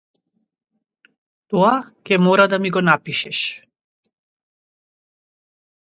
Тоа ќе мора да ми го напишеш.